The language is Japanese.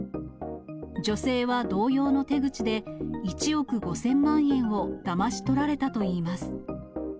女性は同様の手口で１億５０００万円をだまし取られたといいます。